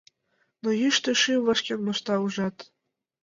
Но йӱштӧ шӱм вашкен мошта, ужат?